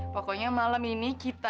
pokoknya malam ini kita